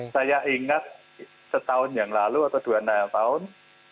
saya ingat setahun yang lalu atau dua puluh enam tahun